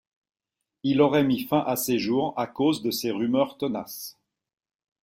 Il aurait mis fin à ses jours à cause de ces rumeurs tenaces.